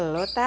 ada gue juga